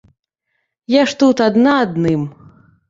Я ж тут адна адным.